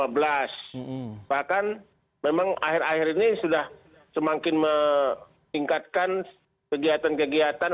bahkan memang akhir akhir ini sudah semakin meningkatkan kegiatan kegiatan